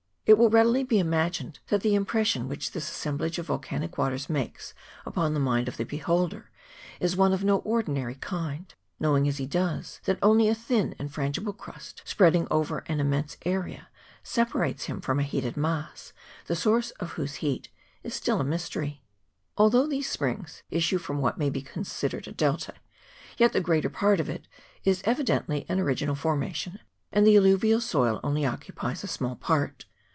It will readily be imagined that the impression which this assemblage of volcanic waters makes upon the mind of the beholder is one of no ordinary kind ; knowing as he does that only a thin and frangible crust, spreading over an immense area, separates him from a heated mass, the source of whose heat is still a mystery. Although these springs issue from what may be considered a delta, yet the greater part of it is evi dently an original formation, and the alluvial soil only occupies a small part.